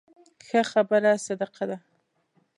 ښه خبره صدقه ده